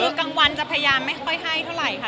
คือกลางวันจะพยายามไม่ค่อยให้เท่าไหร่ค่ะ